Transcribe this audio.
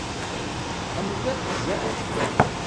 Tḥemmleḍ iqzaḥ?